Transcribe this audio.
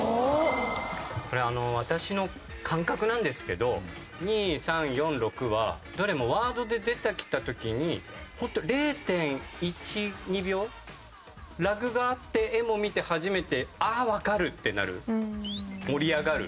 これ私の感覚なんですけど２３４６はどれもワードで出てきた時にホント０．１０．２秒ラグがあって絵も見て初めて「あっわかる」ってなる盛り上がる